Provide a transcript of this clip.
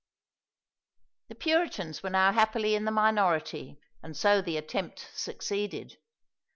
The Puritans were now happily in the minority, and so the attempt succeeded.